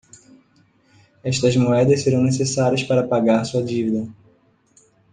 Estas moedas serão necessárias para pagar sua dívida.